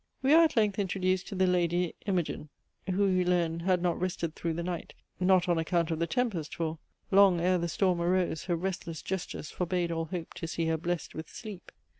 We are at length introduced to the Lady Imogine, who, we learn, had not rested "through" the night; not on account of the tempest, for "Long ere the storm arose, her restless gestures Forbade all hope to see her blest with sleep."